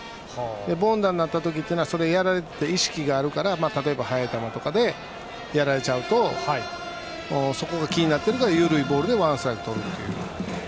凡打になった時はやられたという意識があるから例えば速い球とかでやられちゃうとそこが気になってくるので緩いボールでワンストライクとるという。